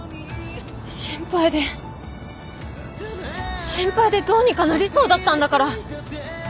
心配で心配でどうにかなりそうだったんだから！